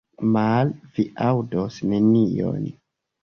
Male, vi aŭdos nenion.